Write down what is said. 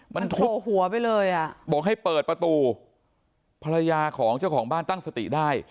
บอกให้เปิดประตูภรรยาของเจ้าของบ้านตั้งสติได้